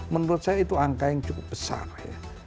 menurut saya itu angka yang cukup besar ya